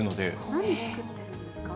何で作ってるんですか？